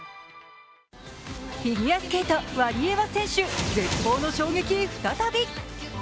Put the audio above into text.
フィギュアスケート、ワリエワ選手絶望の衝撃再び。